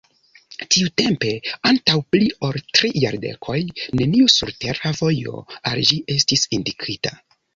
Tiutempe, antaŭ pli ol tri jardekoj, neniu surtera vojo al ĝi estis indikita.